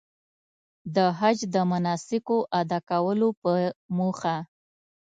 د حج د مناسکو ادا کولو په موخه.